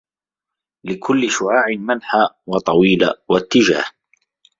لكل شعاع منحى وطويلة و إتجاه